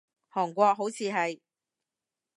韓國，好似係